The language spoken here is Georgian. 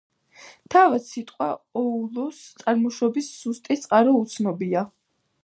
თავად სიტყვა ოულუს წარმოშობის ზუსტი წყარო უცნობია.